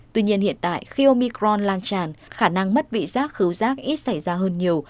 tuy nhiên hiện tại khi omicron lan tràn khả năng mất vị giác khứu rác ít xảy ra hơn nhiều